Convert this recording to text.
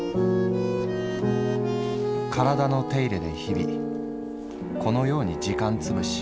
「体の手入れで日々このように時間つぶし」。